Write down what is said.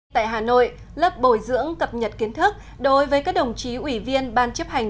tại hà nội lớp bồi dưỡng cập nhật kiến thức đối với các đồng chí ủy viên ban chấp hành